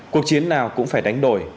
cuộc chiến nào cũng phải đánh đổi